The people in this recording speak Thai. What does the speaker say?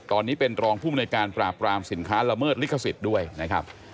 ตอนนี้เป็นรองภูมิในการปราบรามสินค้าละเมิดลิขสิทธิ์ด้วยนะครับ